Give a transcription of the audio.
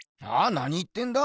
何言ってんだ？